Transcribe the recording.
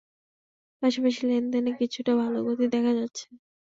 পাশাপাশি লেনদেনে কিছুটা ভালো গতি দেখা যাচ্ছে।